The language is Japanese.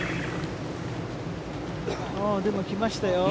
でも、来ましたよ。